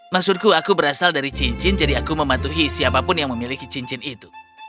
maksudku aku berasal dari cincin jadi aku mematuhi siapapun yang memiliki cincin itu